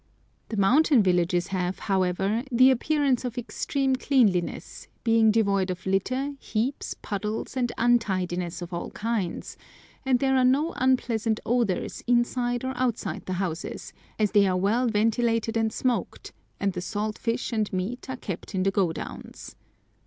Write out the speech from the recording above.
The mountain villages have, however, the appearance of extreme cleanliness, being devoid of litter, heaps, puddles, and untidiness of all kinds, and there are no unpleasant odours inside or outside the houses, as they are well ventilated and smoked, and the salt fish and meat are kept in the godowns.